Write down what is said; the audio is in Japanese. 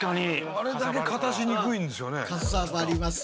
あれだけ片しにくいんですよね。